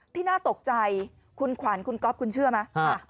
น่าตกใจคุณขวัญคุณก๊อฟคุณเชื่อไหม